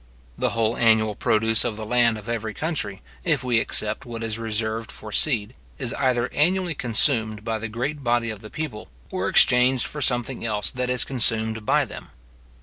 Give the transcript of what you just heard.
The whole annual produce of the land of every country, if we except what is reserved for seed, is either annually consumed by the great body of the people, or exchanged for something else that is consumed by them.